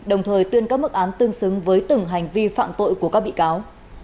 đồng thời tuyên các mức án tương xứng với từng hành vi phạm tội của các bị cáo